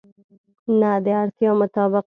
نه، د اړتیا مطابق